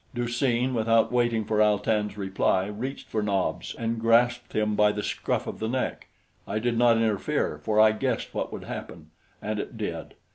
Du seen, without waiting for Al tan's reply, reached for Nobs and grasped him by the scruff of the neck. I did not interfere, for I guessed what would happen; and it did.